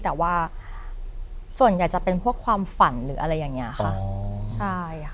แต่ว่าส่วนใหญ่จะเป็นพวกความฝันหรืออะไรอย่างนี้ค่ะใช่ค่ะ